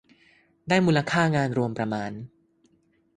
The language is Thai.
ได้มูลค่างานรวมประมาณ